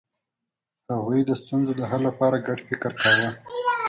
هغوی د ستونزو د حل لپاره ګډ فکر کاوه.